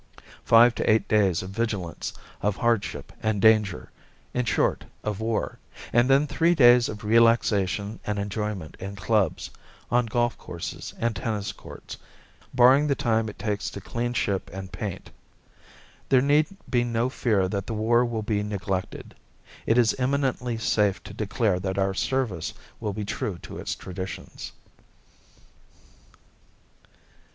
Five to eight days of vigilance, of hardship and danger in short, of war and then three days of relaxation and enjoyment in clubs, on golf courses and tennis courts, barring the time it takes to clean ship and paint. There need be no fear that the war will be neglected. It is eminently safe to declare that our service will be true to its traditions.